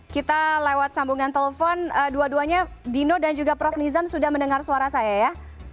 kita lewat sambungan telepon dua duanya dino dan juga prof nizam sudah mendengar suara saya ya